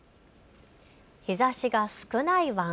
日ざしが少ないワン。